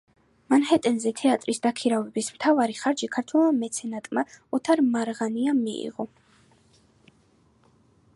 მანჰეტენზე თეატრის დაქირავების მთავარი ხარჯი ქართველმა მეცენატმა ოთარ მარღანიამ გაიღო.